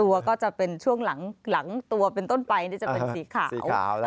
ก็จะเป็นช่วงหลังตัวเป็นต้นไปนี่จะเป็นสีขาว